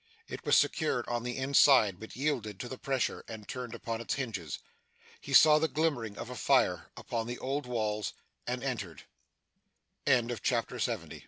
It was secured on the inside, but yielded to the pressure, and turned upon its hinges. He saw the glimmering of a fire upon the old walls, and entered. CHAPTER 71 The dull, red g